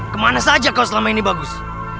kemana saja kau selama ini bagus